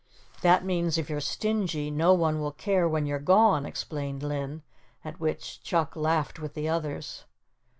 "That means if you're stingy no one will care when you're gone," explained Linn, at which Chuck laughed with the others.